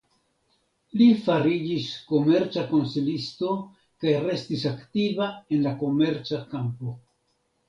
Li fariĝis komerca konsilisto kaj restis aktiva en la komerca kampo.